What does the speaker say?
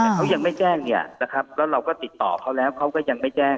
แต่เขายังไม่แจ้งเนี่ยนะครับแล้วเราก็ติดต่อเขาแล้วเขาก็ยังไม่แจ้ง